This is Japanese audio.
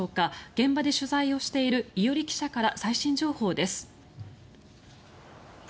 現場で取材をしている伊従記者から最新情報です。